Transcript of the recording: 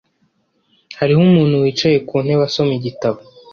Hariho umuntu wicaye ku ntebe asoma igitabo.